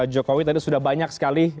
jokowi tadi sudah banyak sekali